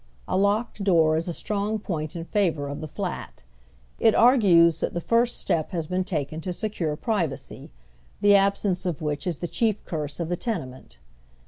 A locked door is a" strong point in favor of the flat. It argues that the first step has been taken to secure privacy, the absence of which is tlie chief curse of the tenement.